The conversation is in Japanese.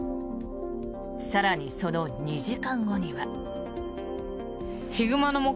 更に、その２時間後には。